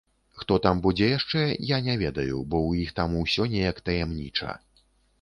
Хто там будзе яшчэ, я не ведаю, бо ў іх там усё неяк таямніча.